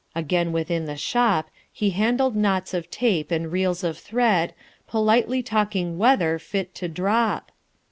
Again within the shop He handled knots of tape and reels of thread, Politely talking weather, fit to drop....